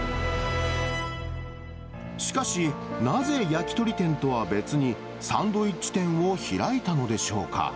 しかし、なぜ焼き鳥店とは別に、サンドイッチ店を開いたのでしょうか。